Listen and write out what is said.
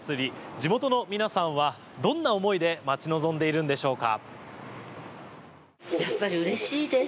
地元の皆さんはどんな思いで待ち望んでいるんでしょうか？